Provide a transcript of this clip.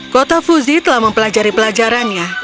kota fuzi telah mempelajari pelajarannya